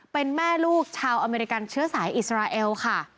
เป็นแม่ลูกชาวอเมริกันเชื้อสายอิสราเอลค่ะ